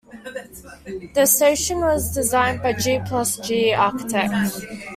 The station was designed by G plus G Architects.